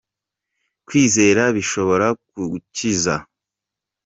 Kwizera bishobora kugukiza.